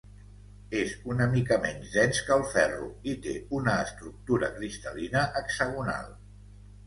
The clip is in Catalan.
És una mica menys dens que el ferro i té una estructura cristal·lina hexagonal.